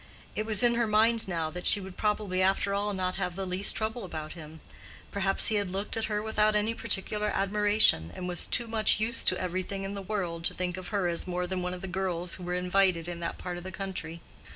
It was in her mind now that she would probably after all not have the least trouble about him: perhaps he had looked at her without any particular admiration, and was too much used to everything in the world to think of her as more than one of the girls who were invited in that part of the country.